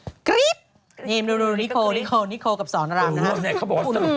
นี่ดูนิโคลกับสอนรามนะครับ